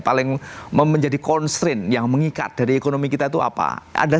paling menjadi constrain yang mengikat dari ekonomi kita itu apa ada